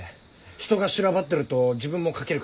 人が修羅場ってると自分も書けるからね。